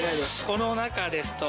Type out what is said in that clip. この中ですと。